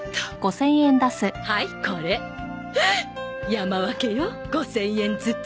山分けよ５０００円ずつ。